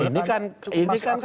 nah ini kan